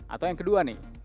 atau yang kedua nih